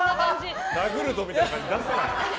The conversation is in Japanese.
殴るぞみたいな感じ出すなよ。